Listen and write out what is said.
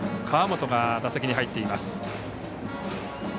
川元が打席に入っています。